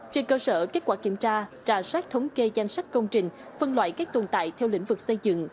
trên cơ sở kết quả kiểm tra trả sát thống kê danh sách công trình phân loại các tồn tại theo lĩnh vực xây dựng